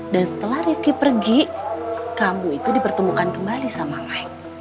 dan setelah rifqi pergi kamu itu dipertemukan kembali sama mike